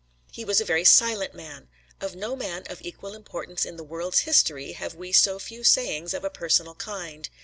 He was a very silent man. Of no man of equal importance in the world's history have we so few sayings of a personal kind.